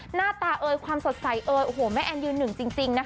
หน้าตาเอยความสดใสเอ่ยโอ้โหแม่แอนยืนหนึ่งจริงนะคะ